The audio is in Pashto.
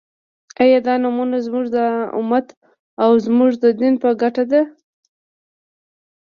آیا دا نومؤنه زموږ د امت او زموږ د دین په ګټه ده؟